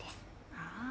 ああ。